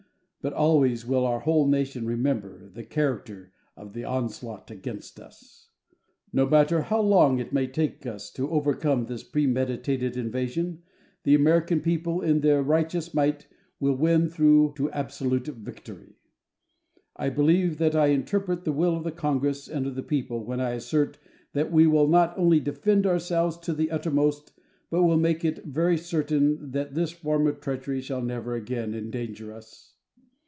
But always will our whole nation remember the character of the onslaught against us. No matter how long it may take us to overcome this premeditated invasion, the American people in their righteous might will win through to absolute victory. I believe that I interpret the will of the Congress and of the people when I assert that we will not only defend ourselves to the uttermost, but will make it very certain that this form of treachery shall never again endanger us.